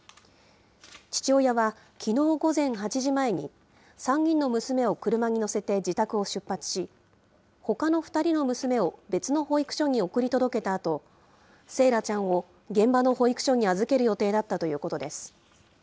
父親は、きのう午前８時前に３人の娘を車に乗せて自宅を出発し、ほかの２人の娘を別の保育所に送り届けたあと、惺愛ちゃんを現場の保育所に預ける予定だったということです。